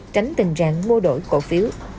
tránh tình trạng mua đổi khói